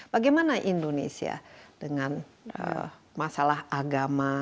bagaimana indonesia dengan masalah agama